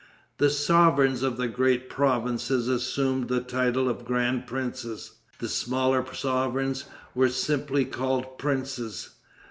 The sovereigns of the great provinces assumed the title of Grand Princes. The smaller sovereigns were simply called Princes.